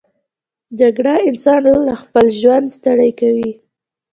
جګړه انسان له خپل ژوند ستړی کوي